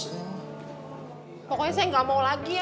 pokoknya saya nggak mau lagi ya